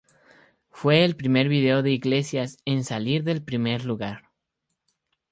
Fue el primer video de Iglesias en salir del primer lugar.